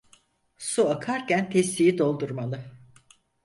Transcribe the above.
Su akarken testiyi doldurmalı.